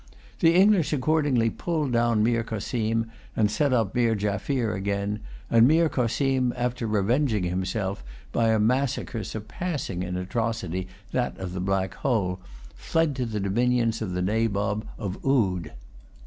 The English accordingly pulled down Meer Cossim, and set up Meer Jaffier again; and Meer Cossim, after revenging himself by a massacre surpassing in atrocity that of the Black Hole, fled to the dominions of the Nabob of Oude.